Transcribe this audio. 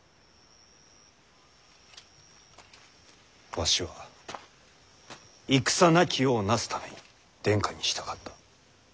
わしは戦なき世をなすために殿下に従った。